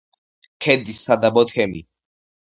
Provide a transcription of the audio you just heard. ქედის სადაბო თემი.